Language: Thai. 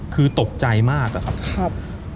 คือตกใจมากอะครับ